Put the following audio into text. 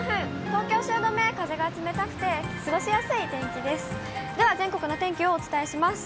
東京・汐留、風が冷たくて、過ごしやすい天気です。